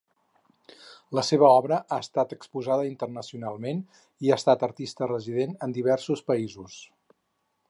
La seva obra ha estat exposada internacionalment i ha estat artista resident en diversos països.